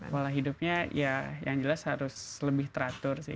pola hidupnya ya yang jelas harus lebih teratur sih